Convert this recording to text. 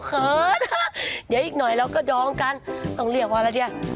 เดี๋ยวอีกหน่อยเราก็ดองกันต้องเรียกว่าอะไรเนี่ย